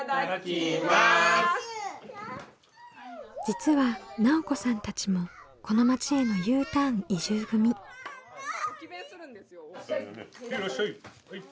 実は奈緒子さんたちもこの町へのＵターン移住組。へいらっしゃい！